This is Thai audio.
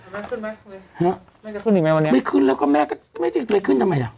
ไม่ขึ้นมั้ยไม่ขึ้นอีกมั้ยวันนี้ไม่ขึ้นแล้วก็แม่ก็ไม่ได้ขึ้นทำไมอ่ะ